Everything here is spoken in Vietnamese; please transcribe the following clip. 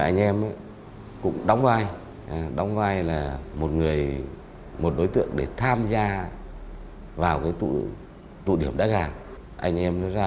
những đặc điểm mà